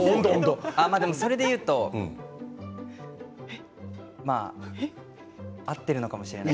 でも、それで言うと合っているのかもしれない。